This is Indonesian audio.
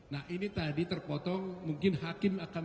nah ini tadi terpotong mungkin hakim akan